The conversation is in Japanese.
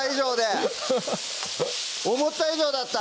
ハハハ思った以上だった！